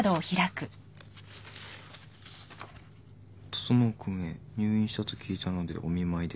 「整君へ入院したと聞いたのでお見舞いです」